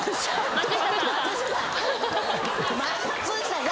松下さん！